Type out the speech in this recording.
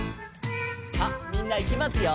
さあみんないきますよ。